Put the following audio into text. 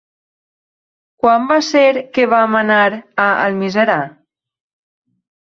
Quan va ser que vam anar a Almiserà?